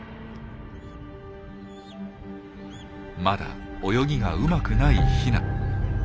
まだ泳ぎがうまくないヒナ。